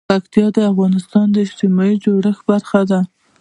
پکتیا د افغانستان د اجتماعي جوړښت برخه ده.